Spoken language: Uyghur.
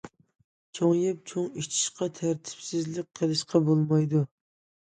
چوڭ يەپ چوڭ ئېچىشقا، تەرتىپسىزلىك قىلىشقا بولمايدۇ.